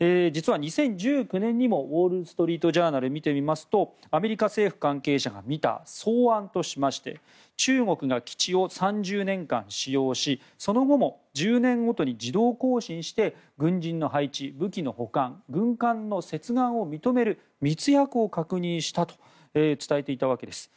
実は２０１９年にもウォール・ストリート・ジャーナルを見てみますとアメリカ政府関係者が見た草案としまして中国が基地を３０年間使用しその後も１０年ごとに自動更新して軍人の配置武器の保管、軍艦の接岸を認める密約を確認したと伝えていたわけです。